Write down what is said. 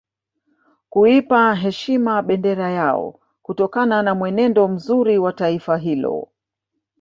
Kuipa heshima bendera yao kutokana na mwenendo mzuri wa taifa hilo